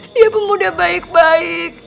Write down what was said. dia pemuda baik baik